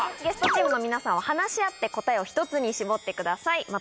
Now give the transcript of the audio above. ゲストチームの皆さんは話し合って答えを１つに絞ってください。